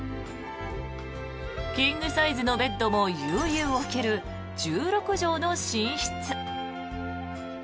キングサイズのベッドも優々置ける１６畳の寝室。